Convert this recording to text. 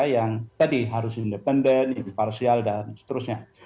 yang tadi harus independen imparsial dan seterusnya